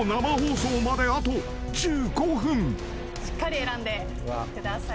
しっかり選んでください。